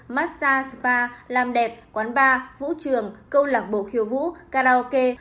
massag spa làm đẹp quán bar vũ trường câu lạc bộ khiêu vũ karaoke